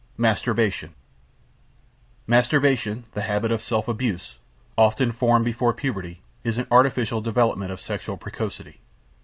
MASTURBATION Masturbation, the habit of self abuse, often formed before puberty, is an artificial development of sexual precocity.